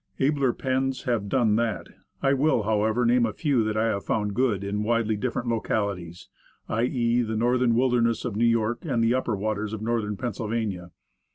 Abler pens have done that. I will, however, name a few that I have found good in widely different local ities, i. e., the Northern Wilderness of New York and the upper waters of Northern Pennsylvania.